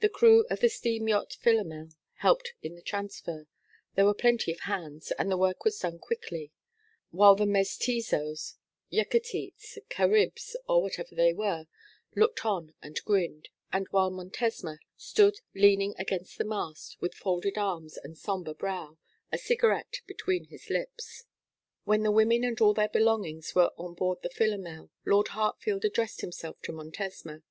The crew of the steam yacht Philomel helped in the transfer: there were plenty of hands, and the work was done quickly; while the Meztizoes, Yucatekes, Caribs, or whatever they were, looked on and grinned; and while Montesma stood leaning against the mast, with folded arms and sombre brow, a cigarette between his lips. When the women and all their belongings were on board the Philomel, Lord Hartfield addressed himself to Montesma.